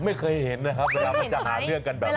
ไม่เคยเห็นนะครับเวลามันจะหาเรื่องกันแบบนี้